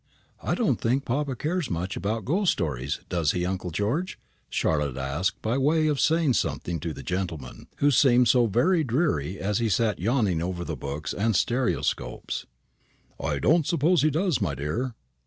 "I don't think papa cares much about ghost stories, does he, uncle George?" Charlotte asked, by way of saying something to the gentleman, who seemed so very dreary as he sat yawning over the books and stereoscopes. "I don't suppose he does, my dear."